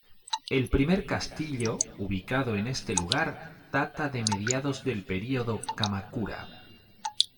El primer castillo ubicado en este lugar data de mediados del periodo Kamakura.